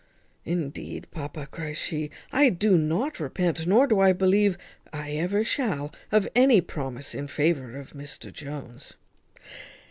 "Indeed, papa," cries she, "I do not repent, nor do I believe I ever shall, of any promise in favour of Mr Jones."